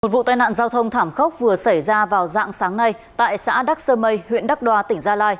vụ tai nạn giao thông thảm khốc vừa xảy ra vào dạng sáng nay tại xã đắc sơ mây huyện đắc đoa tỉnh gia lai